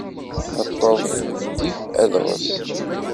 Neṭṭeḍ deg yif adɣes.